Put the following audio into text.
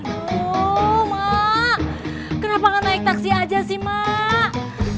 oh mak kenapa gak naik taksi aja sih mak